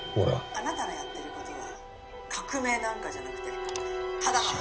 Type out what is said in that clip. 「あなたのやっている事は革命なんかじゃなくてただの犯罪行為では？」